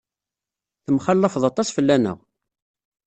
Temxallafeḍ aṭas fell-aneɣ.